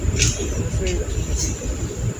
Non sei o que significa.